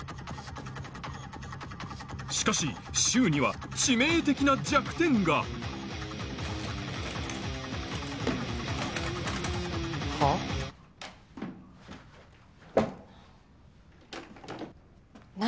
しかし柊には致命的な弱点がはあ？何？